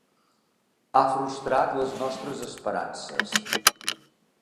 Ha frustrat les nostres esperances.